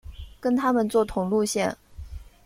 跟他们坐同路线